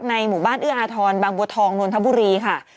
หมู่บ้านเอื้ออาทรบางบัวทองนนทบุรีค่ะ